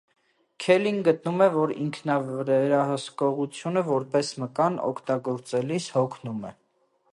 Քելլին գտնում է, որ ինքնավերահսկեղությունը որպես մկան՝ օգտագործվելիս հոգնում է։